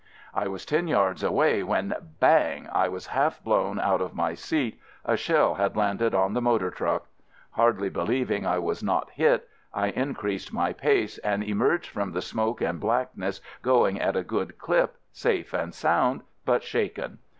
I was ten yards away when — hang !— I was half blown out of my seat — a shell had landed on the motor truck. Hardly believing I was not hit, I increased my pace and emerged from the smoke and blackness, going at a good clip, safe and sound, but shaken.